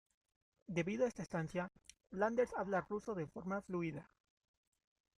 Debido a esta estancia, Landers habla ruso de forma fluida.